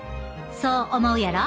そう思うやろ？